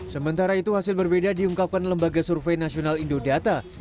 sementara itu hasil berbeda diungkapkan lembaga survei nasional indodata